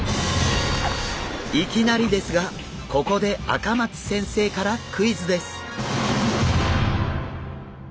いきなりですがここで赤松先生からクイズです！